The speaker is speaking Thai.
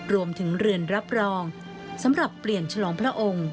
เรือนรับรองสำหรับเปลี่ยนฉลองพระองค์